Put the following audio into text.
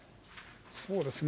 そうですね。